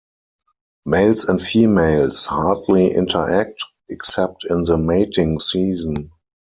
Males and females hardly interact, except in the mating season.